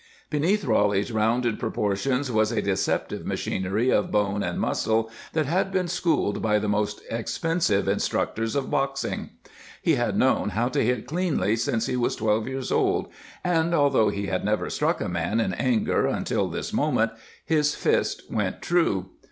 Beneath Roly's rounded proportions was a deceptive machinery of bone and muscle that had been schooled by the most expensive instructors of boxing. He had known how to hit cleanly since he was twelve years old, and although he had never struck a man in anger until this moment, his fist went true.